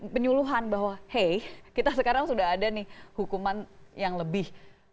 penyuluhan bahwa hey kita sekarang sudah ada nih hukuman yang lebih